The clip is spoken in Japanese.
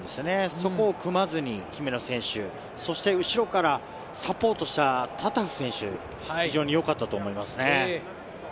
そこを組まずに姫野選手、そして後ろからサポートしたタタフ選手、非常に良かったと思いますね。